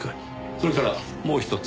それからもう一つ。